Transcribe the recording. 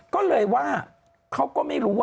ก็เลยว่าเขาก็ไม่รู้ว่า